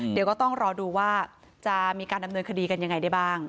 เดี๋ยวก็ต้องรอดูว่าจะมีการดำเนินคดีกันยังไงได้บ้าง